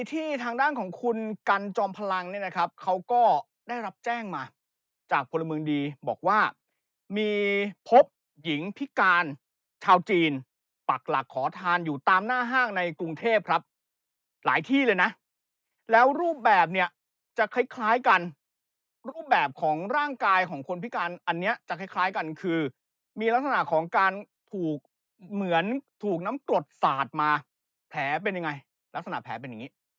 ที่ทางด้านของคุณกันจอมพลังเนี่ยนะครับเขาก็ได้รับแจ้งมาจากพลเมืองดีบอกว่ามีพบเด็กหญิงพิการชาวจีนปักหลักขอทานอยู่ตามหน้าห้างในกรุงเทพครับหลายที่เลยนะแล้วรูปแบบเนี่ยจะคล้ายกันกับรูปแบบของร่างกายของคนพิการอันนี้จะคล้ายกันคือมีลักษณะของการถูกเหมือนถูกน้ำกรดสาดมาบาดแผลเป็นยังไงลักษณะแผลเป็นอย่างนี้